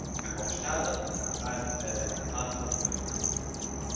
Kraukšķēdamas apēdas pēdējās svētku piparkūkas.